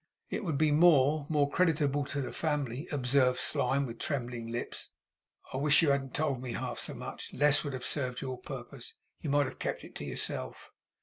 'It would be more more creditable to the family,' observed Slyme, with trembling lips. 'I wish you hadn't told me half so much. Less would have served your purpose. You might have kept it to yourself.